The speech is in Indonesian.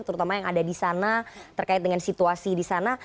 terutama yang ada di sana terkait dengan situasi di sana